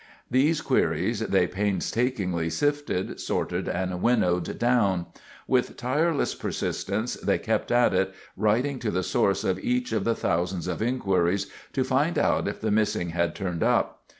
These queries, they painstakingly sifted, sorted, and winnowed down. With tireless persistence, they kept at it, writing to the source of each of the thousands of inquiries to find out if the missing had turned up.